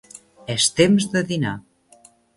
És temps de dinar.